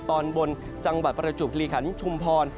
ตอนบนปราชุบถลีครรภ์ชุมพร